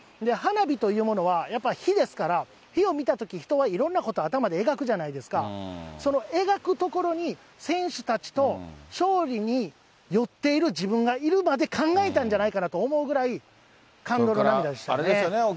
花火というものは、やっぱ火ですから、火を見たとき、人はいろんなことを頭で描くじゃないですか、その描くところに、選手たちと、勝利に寄っている自分がいるまで考えたんじゃないかなと思うぐらい、感動の涙でしたね。